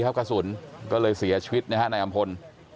กระสุนก็เลยเสียชีวิตนะฮะนายอำพล